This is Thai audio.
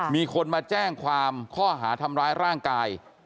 มีคนมาแจ้งความข้อหาทำร้ายร่างกาย